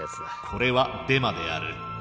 これはデマである。